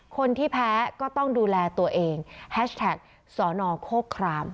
คนที่แพ้ก็ต้องดูแลตัวเองแฮชแท็กสอนอโคคราม